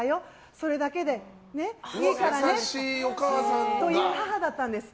それだけでいいからねという母だったんです。